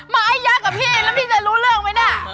มาไอ้ยักษ์กับพี่เองแล้วพี่จะรู้เรื่องมั้ยเนี่ย